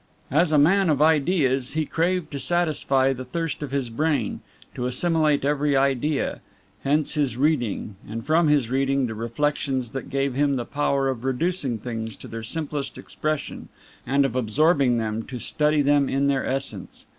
As a man of ideas, he craved to satisfy the thirst of his brain, to assimilate every idea. Hence his reading; and from his reading, the reflections that gave him the power of reducing things to their simplest expression, and of absorbing them to study them in their essence.